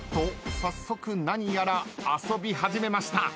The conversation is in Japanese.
早速何やら遊び始めました。